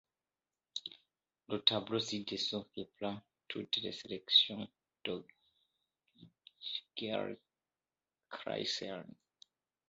Le tableau ci-dessous reprend toutes les sélections de Gert Claessens.